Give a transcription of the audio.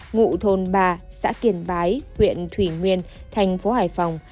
ngụ thôn ba xã kiên bái huyện thủy nguyên thành phố hải phòng